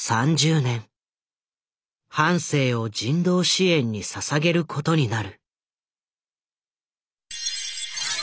半生を人道支援にささげることになる。